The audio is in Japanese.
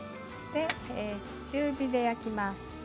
中火で焼きます。